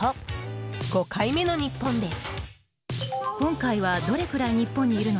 ５回目の日本です。